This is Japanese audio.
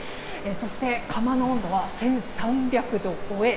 そして窯の温度は１３００度超え。